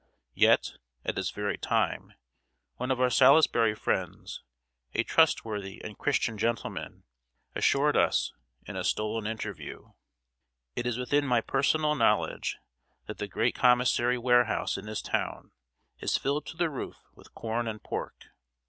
Yet, at this very time, one of our Salisbury friends, a trustworthy and Christian gentleman, assured us, in a stolen interview: "It is within my personal knowledge that the great commissary warehouse, in this town, is filled to the roof with corn and pork.